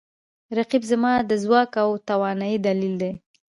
رقیب زما د ځواک او توانایي دلیل دی